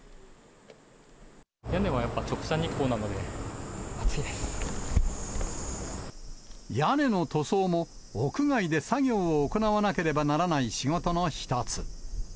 屋根はやっぱり、直射日光な屋根の塗装も、屋外で作業を行わなければならない仕事の一つ。